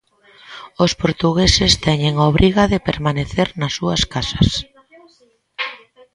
Os portugueses teñen a obriga de permanecer nas súas casas.